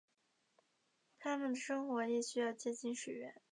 它们的生活亦需要接近水源。